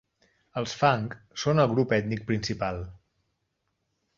Els fang són el grup ètnic principal.